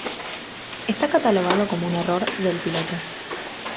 Está catalogado como un error del piloto.